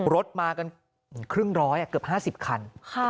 รถมากัน๕๐๐อ่ะเกือบ๕๐คัน